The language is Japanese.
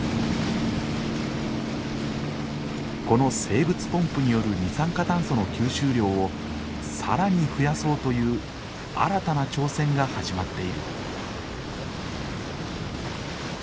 この生物ポンプによる二酸化炭素の吸収量を更に増やそうという新たな挑戦が始まっている。